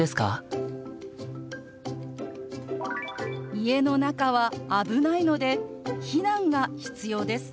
「家の中は危ないので避難が必要です」。